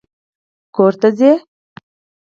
کور ته ځې!